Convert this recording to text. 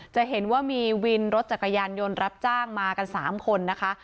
จะเห็นว่ามีวินรถจักรยานยนต์รับจ้างมากัน๓คนนะคะ